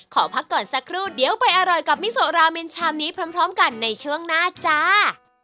ขอพักก่อนสักครู่เดี๋ยวไปอร่อยกับมิโซราเมนชามนี้พร้อมกันในช่วงหน้าจ้า